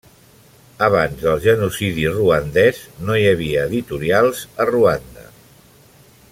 Abans del genocidi ruandès no hi havia editorials a Ruanda.